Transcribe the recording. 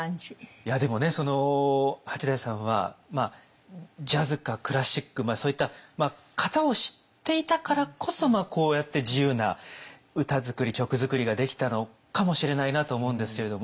いやでもね八大さんはジャズかクラシックそういった型を知っていたからこそこうやって自由な歌作り曲作りができたのかもしれないなと思うんですけれども。